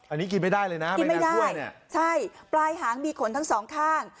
อันนี้กินไม่ได้เลยนะกินไม่ได้ใช่ปลายหางมีขนทั้งสองข้าง